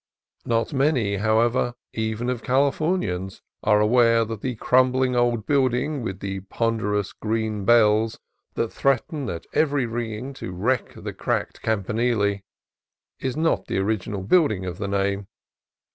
Not many, however, even of Californians, are aware that the crumbling old building, with the ponderous green bells that threaten at every ringing to wreck the cracked campanile, is not the original building of its name.